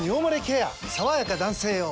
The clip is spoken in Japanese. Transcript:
さわやか男性用」